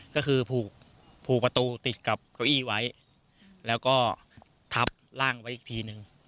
ก็คือผูกผูกประตูติดกับเก้าอี้ไว้แล้วก็ทับร่างไว้อีกทีนึง